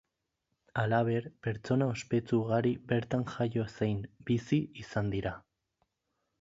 Halaber, pertsona ospetsu ugari bertan jaio zein bizi izan dira.